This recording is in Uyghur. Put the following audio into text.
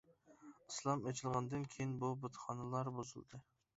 ئىسلام ئېچىلغاندىن كېيىن بۇ بۇتخانىلار بۇزۇلدى.